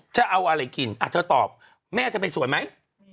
จะเอาอะไรกินเธอตอบแม่จะไปสวยไหม